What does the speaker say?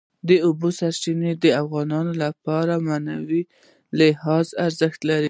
د اوبو سرچینې د افغانانو لپاره په معنوي لحاظ ارزښت لري.